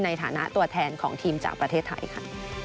ในฐานะตัวแทนของทีมจากประเทศไทยค่ะ